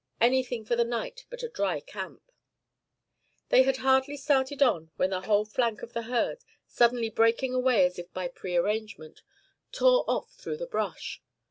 Anything for the night but a dry camp. They had hardly started on when a whole flank of the herd, suddenly breaking away as if by prearrangement, tore off through the brush.